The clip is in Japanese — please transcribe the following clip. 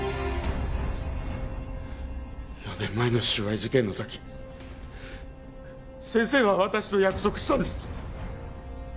４年前の収賄事件の時先生は私と約束したんです。